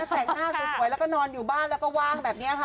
แต่งหน้าสวยแล้วก็นอนอยู่บ้านแล้วก็ว่างแบบนี้ค่ะ